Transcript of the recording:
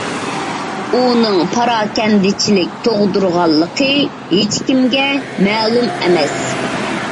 ئۇنىڭ پاراكەندىچىلىك تۇغدۇرغانلىقى ھېچكىمگە مەلۇم ئەمەس.